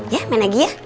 ya main lagi ya